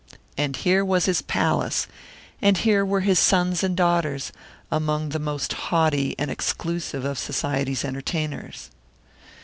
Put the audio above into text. And here was his palace, and here were his sons and daughters among the most haughty and exclusive of Society's entertainers!